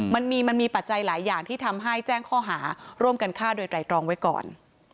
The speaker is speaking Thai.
มันมีมันมีปัจจัยหลายอย่างที่ทำให้แจ้งข้อหาร่วมกันฆ่าโดยไตรตรองไว้ก่อน